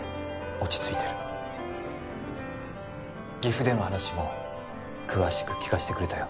落ち着いてる岐阜での話も詳しく聞かせてくれたよ